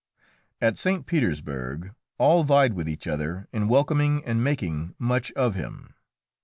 At St. Petersburg all vied with each other in welcoming and making much of him.